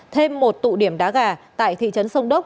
thêm một tụ điểm đá gà tại thị trấn sông đốc